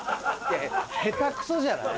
下手くそじゃない？